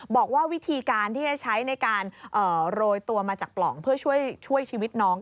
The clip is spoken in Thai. บอกว่าวิธีการที่จะใช้ในการโรยตัวมาจากปล่องเพื่อช่วยชีวิตน้อง